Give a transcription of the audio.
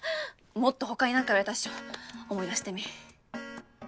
もっと他に何か言われたっしょ？思い出してみ。